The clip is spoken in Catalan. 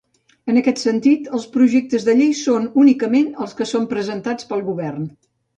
En aquest sentit, els projectes de llei són únicament els que són presentats pel Govern.